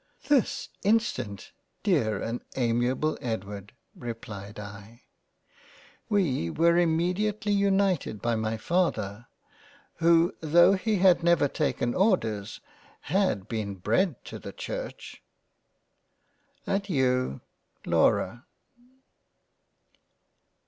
" This instant, Dear and Amiable Edward." (replied I.). We were immediately united by my Father, who tho' he had never taken orders had been bred to the Church. Adeiu Laura.